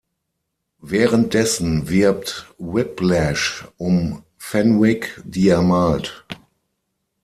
Währenddessen wirbt Whiplash um Fenwick, die er malt.